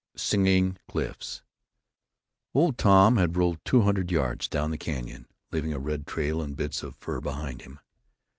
SINGING CLIFFS Old Tom had rolled two hundred yards down the canyon, leaving a red trail and bits of fur behind him.